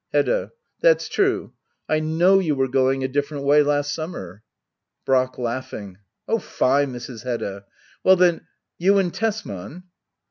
Hbdda. That's true. I know you were going a different way last summer. Brack. [LaughingA Oh fie, Mrs. Hedda ! Well, then — ^you and Tesman